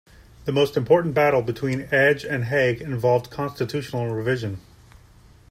The most important battle between Edge and Hague involved constitutional revision.